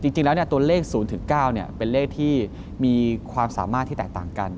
จริงแล้วตัวเลข๐๙เป็นเลขที่มีความสามารถที่แตกต่างกัน